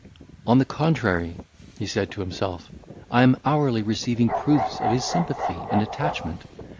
"On the contrary," said he to himself, "I am hourly receiving proofs of his sympathy and attachment.